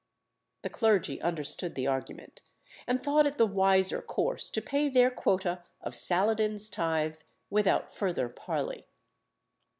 The clergy understood the argument, and thought it the wiser course to pay their quota of Saladin's tithe without further parley.